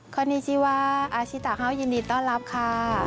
สวัสดีค่ะอาชิตะเฮ้าส์ยินดีต้อนรับค่ะ